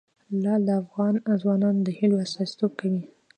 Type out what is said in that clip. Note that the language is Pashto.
لعل د افغان ځوانانو د هیلو استازیتوب کوي.